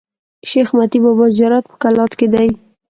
شېخ متي بابا زیارت په کلات کښي دﺉ.